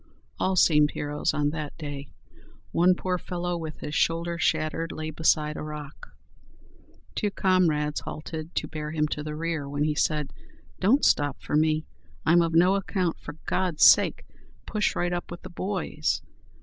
All seemed heroes on that day. One poor fellow, with his shoulder shattered, lay beside a rock. Two comrades halted to bear him to the rear, when he said, "Don't stop for me; I'm of no account; for GOD'S sake, push right up with the boys!"